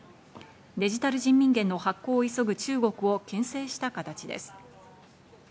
デジタル人民元の発行を急ぐ中国を牽制した形です。